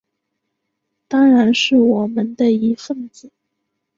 当然是我们的一分子